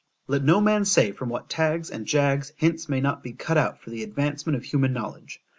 ——— ——Let no man say from what taggs and jaggs hints may not be cut out for the advancement of human knowledge.